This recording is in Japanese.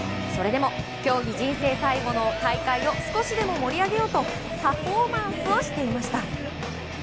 それでも競技人生最後の大会を少しでも盛り上げようとパフォーマンスをしていました。